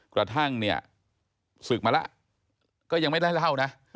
กระทั่งเนี่ยศึกมาแล้วก็ยังไม่ได้เล่านะ